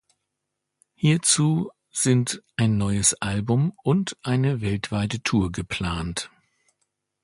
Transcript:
Hierzu sind ein neues Album und eine weltweite Tour geplant.